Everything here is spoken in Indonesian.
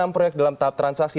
enam proyek dalam tahap transaksi